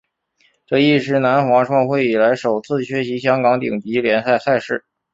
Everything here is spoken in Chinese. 这亦是南华创会以来首次缺席香港顶级联赛赛事。